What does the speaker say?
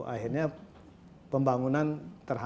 akhirnya pembangunan itu